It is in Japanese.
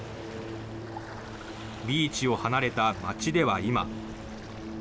ビーチを離れた街では今。